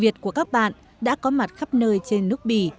việt của các bạn đã có mặt khắp nơi trên nước bỉ